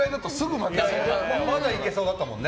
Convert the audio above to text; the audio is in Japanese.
まだいけそうだったもんね。